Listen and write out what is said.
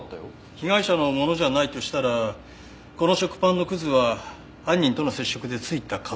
被害者のものじゃないとしたらこの食パンのくずは犯人との接触でついた可能性がありますね。